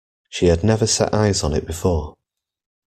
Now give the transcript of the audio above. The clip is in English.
She had never set eyes on it before.